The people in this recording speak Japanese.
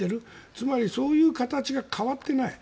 つまり、そういう形が変わっていない。